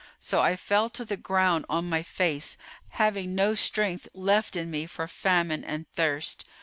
So I fell to the ground on my face, having no strength left in me for famine and thirst.